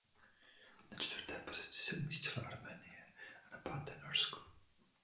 Na čtvrté pozici se umístila Arménie a na páté Norsko.